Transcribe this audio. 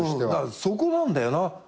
そこなんだよな。